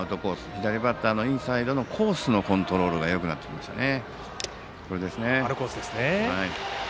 左バッターのインコースのコースのコントロールがよくなってきましたね。